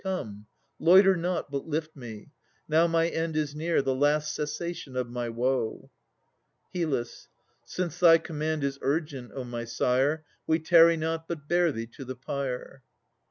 Come, loiter not, but lift me. Now my end Is near, the last cessation of my woe. HYL. Since thy command is urgent, O my sire! We tarry not, but bear thee to the pyre.